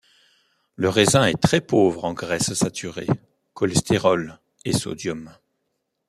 Le raisin est très pauvre en graisses saturées, cholestérol et sodium.